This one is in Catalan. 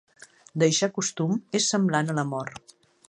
Deixar costum és semblant a la mort.